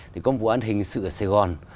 thì có một vụ án hình sự ở sài gòn